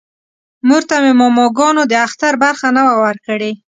مور ته مې ماماګانو د اختر برخه نه وه ورکړې